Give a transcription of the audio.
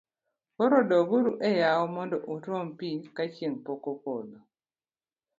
koro dog uru e yawo mondo utuom pi ka chieng' pok opodho